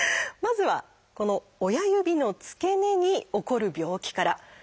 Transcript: まずはこの親指の付け根に起こる病気から。